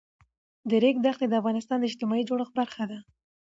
د ریګ دښتې د افغانستان د اجتماعي جوړښت برخه ده.